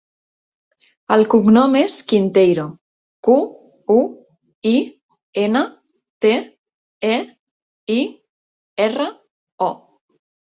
El cognom és Quinteiro: cu, u, i, ena, te, e, i, erra, o.